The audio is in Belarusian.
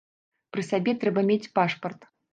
Пры сабе трэба мець пашпарт.